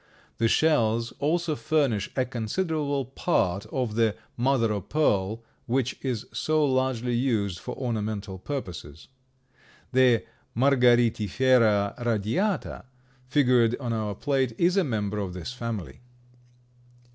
The shells also furnish a considerable part of the "mother o' pearl" which is so largely used for ornamental purposes. The Margaritifera radiata, figured on our plate, is a member of this family.